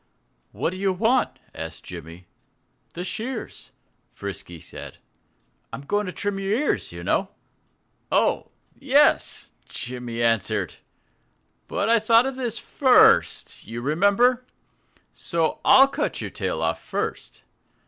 "What do you want?" asked Jimmy. "The shears!" Frisky said. "I'm going to trim your ears, you know." "Oh yes!" Jimmy answered. "But I thought of this first, you remember. So I'll cut your tail off first.